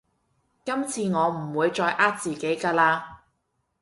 今次我唔會再呃自己㗎喇